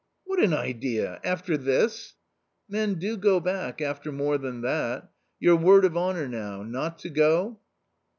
"What an idea ! after this." u Men do go back after more than that ! your word of honour now — not to go